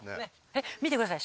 見てください。